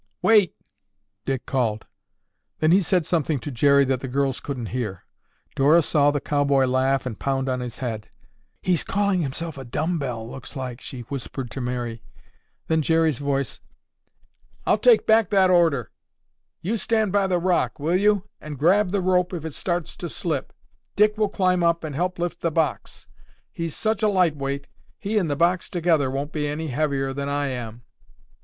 "Wait!" Dick called. Then he said something to Jerry that the girls couldn't hear. Dora saw the cowboy laugh and pound on his head. "He's calling himself a dumb bell, looks like," she whispered to Mary. Then Jerry's voice, "I'll take back that order. You stand by the rock, will you, and grab the rope if it starts to slip. Dick will climb up and help lift the box. He's such a light weight, he and the box together won't be any heavier than I am."